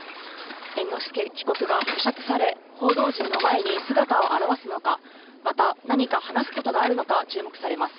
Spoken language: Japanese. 猿之助被告が保釈され、報道陣の前に姿を現すのか、また、何か話すことがあるのか注目されます。